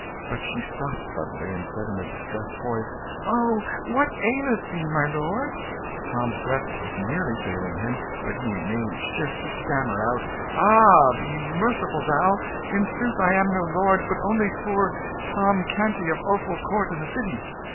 But she stopped suddenly, and said in a distressed voice "Oh, what aileth thee, my lord?" Tom's breath was nearly failing him; but he made shift to stammer out "Ah, be merciful, thou! In sooth I am no lord, but only poor Tom Canty of Offal Court in the city.